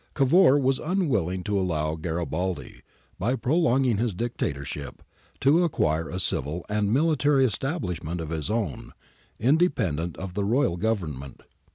Cavour was unwilling to allow Garibaldi, by prolonging his Dictatorship, to acquire a civil and military establishment of his own, independent of the Royal Government.